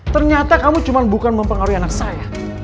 ternyata kamu cuma bukan mempengaruhi anak saya